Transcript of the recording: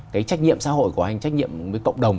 cái trách nhiệm xã hội của anh trách nhiệm với cộng đồng